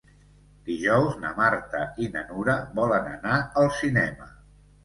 Dijous na Marta i na Nura volen anar al cinema.